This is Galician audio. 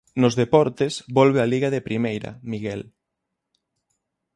Nos deportes, volve a Liga de primeira, Miguel.